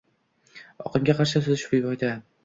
Oqimga qarshi suzish befoyda